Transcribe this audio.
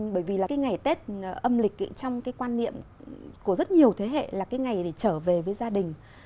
bởi vì là cái ngày tết âm lịch trong cái quan niệm của rất nhiều thế hệ là cái ngày để trở về với gia đình